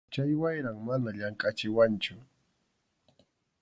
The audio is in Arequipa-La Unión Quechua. Chay wayram mana llamkʼachiwanchu.